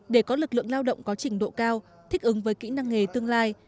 để có lực lượng lao động có trình độ cao thích ứng với kỹ năng nghề tương lai